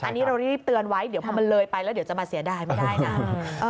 อันนี้เรารีบเตือนไว้เดี๋ยวพอมันเลยไปแล้วเดี๋ยวจะมาเสียดายไม่ได้นะ